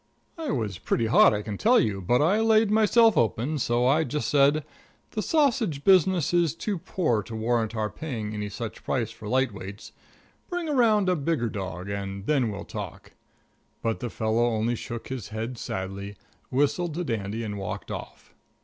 I was pretty hot, I can tell you, but I had laid myself open, so I just said: "The sausage business is too poor to warrant our paying any such price for light weights. Bring around a bigger dog and then we'll talk;" but the fellow only shook his head sadly, whistled to Dandy, and walked off.